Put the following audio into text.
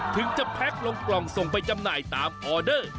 ถึงจะแพ็คลงกล่องส่งไปจำหน่ายตามออเดอร์